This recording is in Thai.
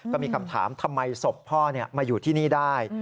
ก็มีคำถามทำไมศพพ่อมาอยู่ที่นี่ได้